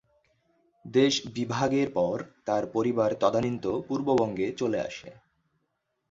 দেশ বিভাগের পর তার পরিবার তদানিন্তন পূর্ববঙ্গে চলে আসে।